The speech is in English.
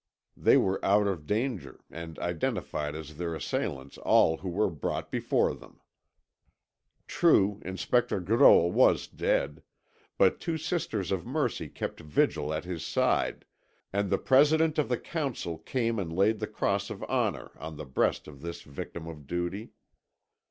They were out of danger and identified as their assailants all who were brought before them. True, Inspector Grolle was dead; but two Sisters of Mercy kept vigil at his side, and the President of the Council came and laid the Cross of Honour on the breast of this victim of duty.